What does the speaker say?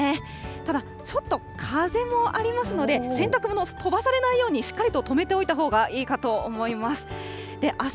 ただ、ちょっと風もありますので、洗濯物飛ばされないように、しっかりととめておいたほうがいいかと思います。